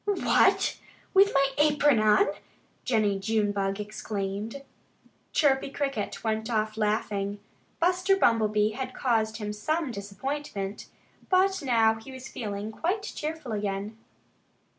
"What! With my apron on?" Jennie Junebug exclaimed. Chirpy Cricket went off laughing. Buster Bumblebee had caused him some disappointment. But now he was feeling quite cheerful again.